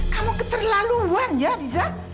kamu keterlaluan ya riza